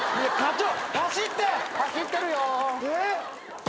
えっ？